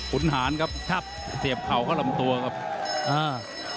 คุณหารครับแทบเสียบเข่าเข้าลำตัวครับอ่า